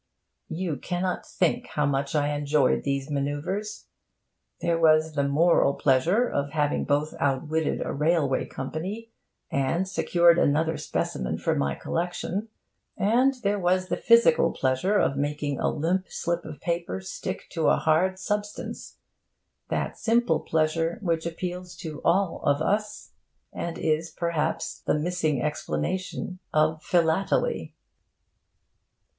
You cannot think how much I enjoyed these manoeuvres. There was the moral pleasure of having both outwitted a railway company and secured another specimen for my collection; and there was the physical pleasure of making a limp slip of paper stick to a hard substance that simple pleasure which appeals to all of us and is, perhaps, the missing explanation of philately.